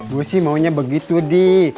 gue sih maunya begitu di